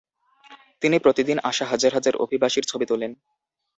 তিনি প্রতিদিন আসা হাজার হাজার অভিবাসীর ছবি তোলেন।